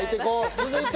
続いて。